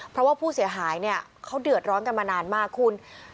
เพราะว่าผู้เสียหายเนี่ยเขาเดือดร้อนกันมานานมากคุณ